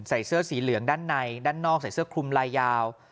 ใส่เสื้อสีเหลืองด้านในด้านนอกใส่เสื้อคลุมลายยาว